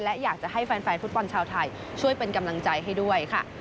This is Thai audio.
และอยากจะให้แฟนฟุตบอลชาวไทยช่วยเป็นกำลังใจให้ด้วยค่ะ